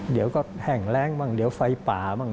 เดี๋ยวก็แห้งแรงบ้างเดี๋ยวไฟป่าบ้าง